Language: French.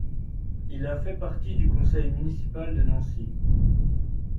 Il a fait partie du conseil municipal de Nancy.